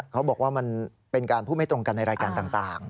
เขาบอกว่ามันเป็นการพูดไม่ตรงกันในรายการต่าง